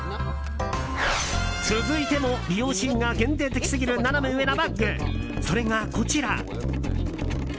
続いても利用シーンが限定的すぎるナナメ上なバッグ、それがこちら。